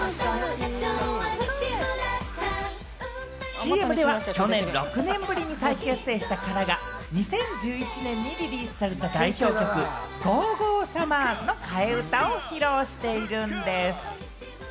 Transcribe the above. ＣＭでは去年、６年ぶりに再結成したＫＡＲＡが、２０１１年にリリースされた代表曲『ＧＯＧＯサマー！』の替え歌を披露しているんです。